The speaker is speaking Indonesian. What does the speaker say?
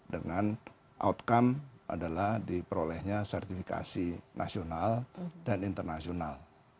dengan outcome adalah diperolehnya sertifikasi nasional dan internasional